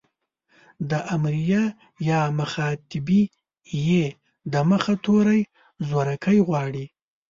د امريه يا مخاطبې ئ د مخه توری زورکی غواړي.